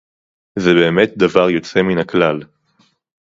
זה באמת דבר יוצא מן הכלל